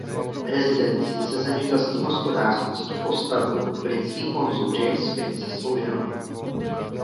Rezidenci se zemědělským hospodářstvím si tu postavil britský konzul James Finn se svou ženou.